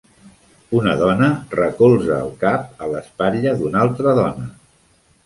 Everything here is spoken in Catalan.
Una dona recolza el cap a l'espatlla d'una altra dona.